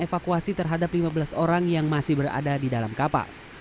evakuasi terhadap lima belas orang yang masih berada di dalam kapal